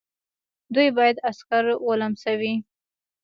دوی باید عسکر ولمسوي.